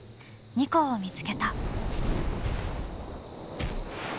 ニコを見つけた。